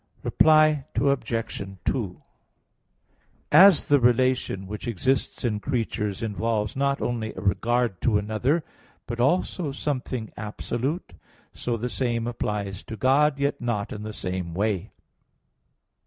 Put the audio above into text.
Reply Obj. 2: As the relation which exists in creatures involves not only a regard to another, but also something absolute, so the same applies to God, yet not in the same way.